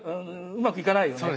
うまくいかないよね？